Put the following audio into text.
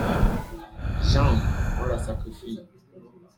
JEAN : On la sacrifie.